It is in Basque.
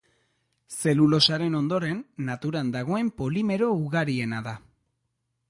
Zelulosaren ondoren naturan dagoen polimero ugariena da.